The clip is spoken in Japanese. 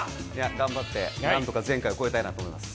頑張って、何とか前回を超えたいと思います。